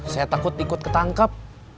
saya takut ikut ketangkep